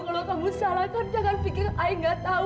kalau kamu salahkan jangan pikir saya tidak tahu